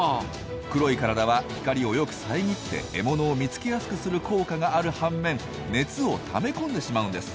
黒い体は光をよくさえぎって獲物を見つけやすくする効果がある半面熱をためこんでしまうんです。